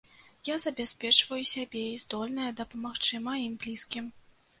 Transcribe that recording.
Я забяспечваю сябе і здольная дапамагчы маім блізкім.